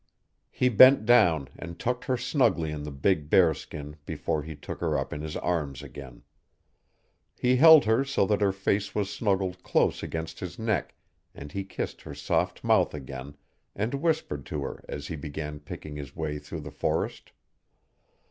He bent down and tucked her snugly in the big bear skin before he took her up in his arms again. He held her so that her face was snuggled close against his neck, and he kissed her soft mouth again, and whispered to her as he began picking his way through the forest.